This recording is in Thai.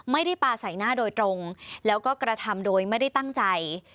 ไม่ได้ปลาใส่หน้าโดยตรงแล้วก็กระทำโดยไม่ได้ตั้งใจ